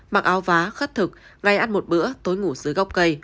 mặc áo vá kh khất thực ngay ăn một bữa tối ngủ dưới góc cây